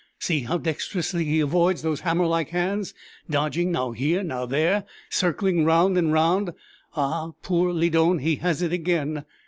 See how dextrously he avoids those hammer like hands! dodging now here, now there circling round and round. Ah, poor Lydon! he has it again."